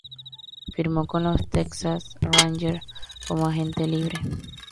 Firmó con los Texas Rangers como agente libre.